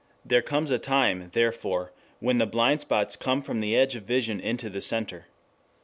There comes a time, therefore, when the blind spots come from the edge of vision into the center.